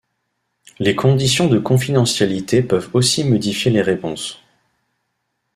Les conditions de confidentialité peuvent aussi modifier les réponses.